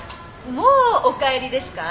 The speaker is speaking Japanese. もうお帰りですか？